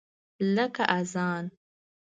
لکه اذان !